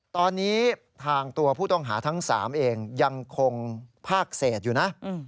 ตอนนี้ทางตัวผู้ต้องหาทั้ง๓เองยังคงภาคเศษอยู่นะ